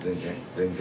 全然。